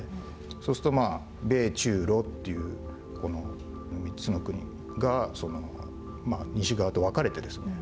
そうするとまあ米中露っていうこの３つの国が西側と分かれてですね